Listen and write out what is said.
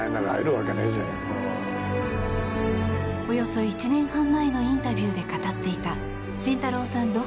およそ１年半前のインタビューで語っていた慎太郎さん